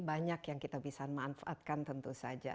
banyak yang kita bisa manfaatkan tentu saja